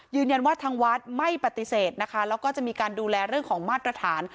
ยืนยันว่าทางวัดไม่ปฏิเสธนะคะแล้วก็จะมีการดูแลเรื่องของมาตรฐาน